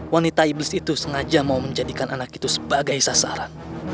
wanita iblis itu sengaja mau menjadikan anak itu sebagai sasaran